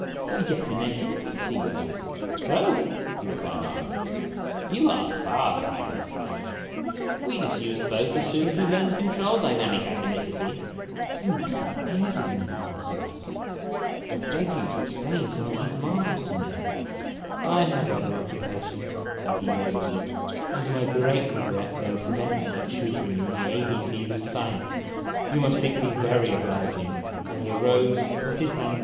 They are yet in their infancy with us !" "Oh," he replied, laughing, "you are far behind the times. We disused both as soon as we learned to control dynamic atomicity." " You must be ages in advance of us. I beg you to explain some of these marvels to me." " I have other occupations," said he, roguishly, " and, to my great 82 IMAGINOTIONS regret, they will prevent my tutoring you in the A B C's of science. You must think me very obliging !" and he arose, put his hands in "'YOU CAN GO BACK WHERE YOU CAME FROM!'